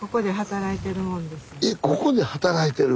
えっここで働いてる？